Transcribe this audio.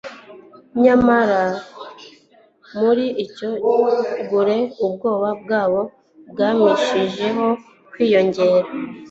Nyamara muri icyo gule ubwoba bwabo bwamshijeho kwiyongera,